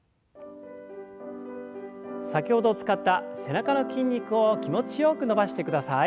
先ほど使った背中の筋肉を気持ちよく伸ばしてください。